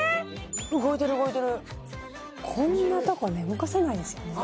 動いてる動いてるこんなとこね動かせないですよね